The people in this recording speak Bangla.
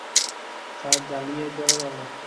স্যার, জ্বালিয়ে দেওয়াই ভালো।